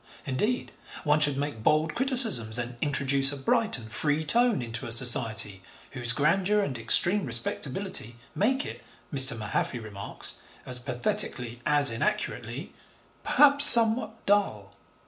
Indeed, one should make bold criticisms and introduce a bright and free tone into a Society whose grandeur and extreme respectability make it, Mr. Mahaffy remarks, as pathetically as inaccurately, 'perhaps somewhat dull.'